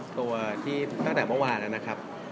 ตัวที่ตั้งแต่เมื่อวานนะครับ